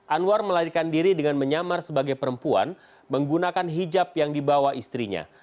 anwar melarikan diri dengan menyamar sebagai perempuan menggunakan hijab yang dibawa istrinya